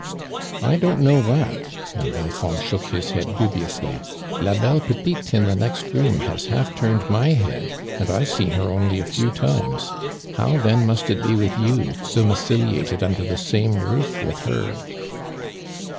" I don't know that," and Belfond shotok his head dubiously. ^^Labelle petite in the next room has half turned my head and I've seen her only a few times ; how, then must it be with you, domiciliated under the same roof with her